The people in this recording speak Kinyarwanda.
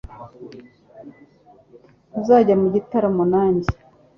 Ntuzajya mu gitaramo nanjye